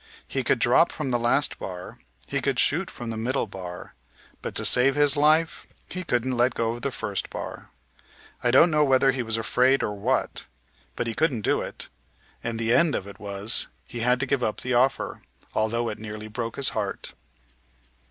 He could drop from the last bar, he could shoot from the middle bar, but to save his life he couldn't let go of the first bar. I don't know whether he was afraid, or what; but he couldn't do it, and the end of it was, he had to give up the offer, although it nearly broke his heart."